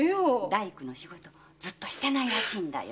大工の仕事ずっとしてないらしいんだよ。